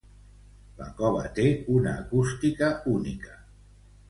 La cova té una acústica única.